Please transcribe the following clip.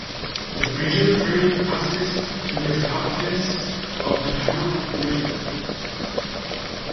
The Bridger Trail passes to the southeast of the town of Bridger.